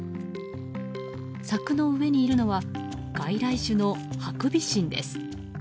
柵の上にいるのは外来種のハクビシンです。